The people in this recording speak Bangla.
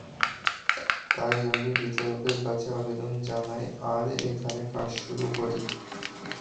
তাই আমি বিচারকের কাছে আবেদন জানাই আর এখানে কাজ শুরু করি।